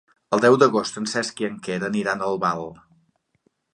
El deu d'agost en Cesc i en Quer aniran a Albal.